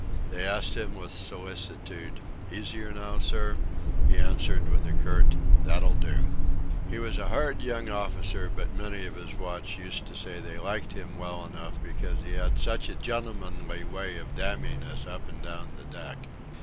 They asked him with solicitude: "Easier now, sir?" He answered with a curt: "That'll do." He was a hard young officer, but many of his watch used to say they liked him well enough because he had "such a gentlemanly way of damning us up and down the deck."